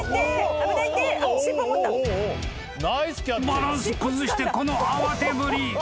［バランス崩してこの慌てぶり］